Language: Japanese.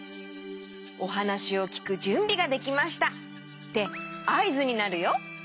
おはなしをきくじゅんびができましたってあいずになるよ。